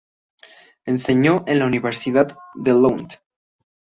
Enseñó en la Universidad de Lund.